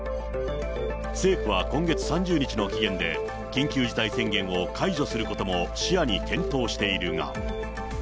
政府は今月３０日の期限で、緊急事態宣言を解除することも視野に検討しているが。